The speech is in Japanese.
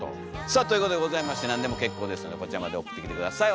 さあということでございまして何でも結構ですのでこちらまで送ってきて下さい。